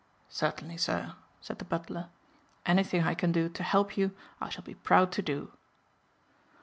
"Certainly, sir," said the butler. "Anything I can do to help you I shall be proud to do."